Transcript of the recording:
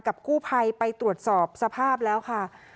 กู้ภัยไปตรวจสอบสภาพแล้วค่ะ